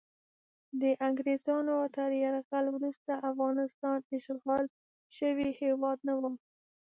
د انګریزانو تر یرغل وروسته افغانستان اشغال شوی هیواد نه و.